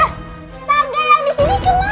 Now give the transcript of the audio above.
tangga yang di sini kemana